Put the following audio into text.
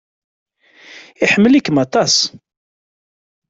Iḥemmel-ikem aṭas.